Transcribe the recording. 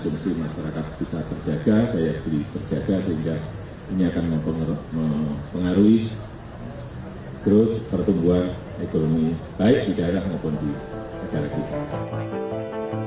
sehingga ini akan mempengaruhi growth pertumbuhan ekonomi baik di daerah maupun di negara kita